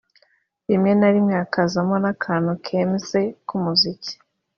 rimwe na rimwe hakazamo n’akantu kemze nk’umuziki